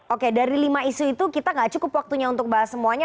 oke dari lima isu itu kita nggak cukup waktunya untuk bahas semuanya